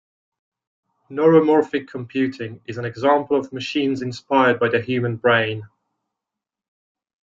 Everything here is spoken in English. Neuromorphic computing is an example of machines inspired by the human brain.